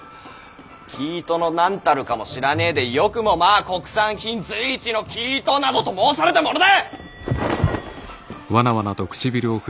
生糸の何たるかも知らねぇでよくもまぁ「国産品随一の生糸」などと申されたものだ！